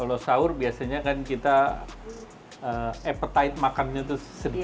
kalau sahur biasanya kan kita appetite makannya itu sedikit